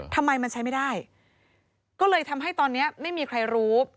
ทำไมมันใช้ไม่ได้ก็เลยทำให้ตอนนี้ไม่มีใครรู้